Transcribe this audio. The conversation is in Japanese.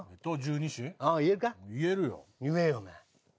言えよお前。